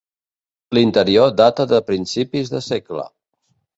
L'interior data de principis de segle.